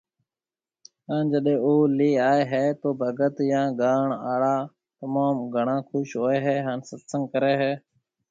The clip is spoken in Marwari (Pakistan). ھان جڏي او لي آئي ھيَََ تو ڀگت يا گاڻ آڙا تموم گھڻا خوش ھوئي ھان ست سنگ ڪري ھيَََ